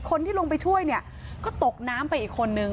คนที่ลงไปช่วยเนี่ยก็ตกน้ำไปอีกคนนึง